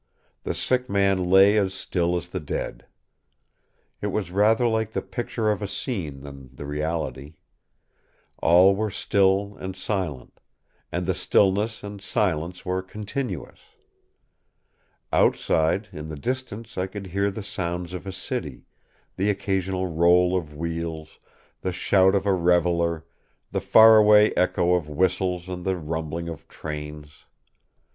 The sick man lay as still as the dead. It was rather like the picture of a scene than the reality; all were still and silent; and the stillness and silence were continuous. Outside, in the distance I could hear the sounds of a city, the occasional roll of wheels, the shout of a reveller, the far away echo of whistles and the rumbling of trains.